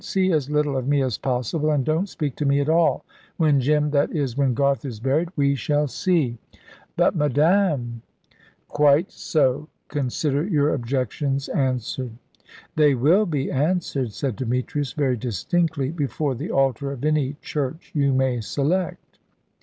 See as little of me as possible, and don't speak to me at all. When Jim that is, when Garth is buried, we shall see." "But, madame " "Quite so. Consider your objections answered." "They will be answered," said Demetrius, very distinctly, "before the altar of any church you may select."